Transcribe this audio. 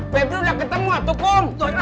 pebri udah ketemu tuh kum